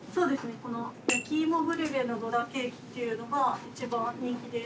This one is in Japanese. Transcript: この焼き芋ブリュレのどらケーキっていうのが一番人気です。